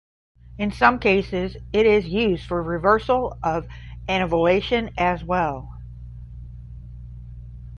In some cases, it is used for reversal of anovulation as well.